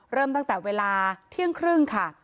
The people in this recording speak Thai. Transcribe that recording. เริ่มตั้งแต่เวลาเที่ยงครึ่งค่ะ